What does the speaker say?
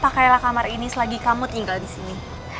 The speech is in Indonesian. pakailah kamar ini selagi kamu tinggal disini